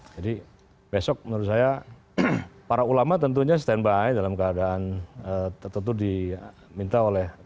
jadi besok menurut saya para ulama tentunya standby dalam keadaan tertentu diminta oleh